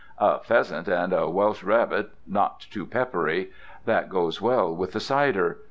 "A pheasant and a Welsh rabbit, not too peppery. That goes well with the cider.